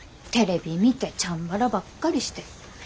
テレビ見てチャンバラばっかりして。